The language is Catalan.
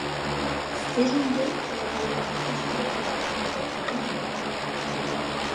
És un bé relativament difícil de trobar i per tant molt preuat.